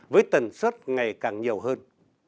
với tần suất ngày càng nhiều hơn